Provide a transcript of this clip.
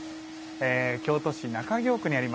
京都市中京区にあります